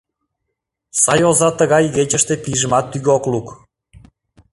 Сай оза тыгай игечыште пийжымат тӱгӧ ок лук.